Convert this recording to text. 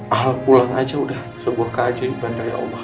alpulang saja sudah sebuah keajaiban dari allah